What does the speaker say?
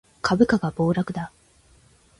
株価が暴落だ